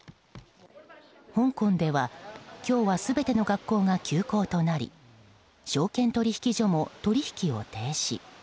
香港では今日は全ての学校が休校となり証券取引所も取引を停止。